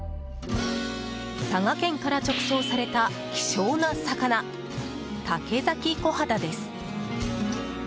佐賀県から直送された希少な魚竹崎コハダです。